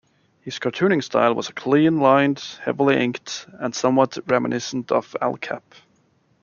His cartooning style was clean lined, heavily inked, and somewhat reminiscent of Al Capp.